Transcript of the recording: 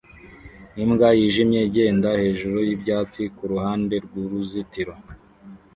Imbwa yijimye igenda hejuru yibyatsi kuruhande rwuruzitiro